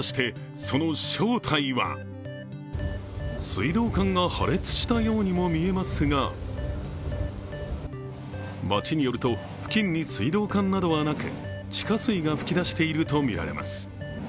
水道管が破裂したようにも見えますが町によると、付近に水道管などはなく、地下水が噴き出しているとみられます。